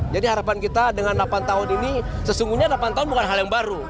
jadi harapan kita dengan delapan tahun ini sesungguhnya delapan tahun bukan hal yang baru